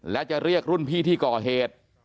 และจะเรียกรุ่นพี่ที่ก่อเหตุ